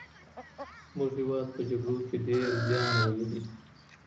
زمونږ هېواد په جګړو کي ډېر زيان وليد.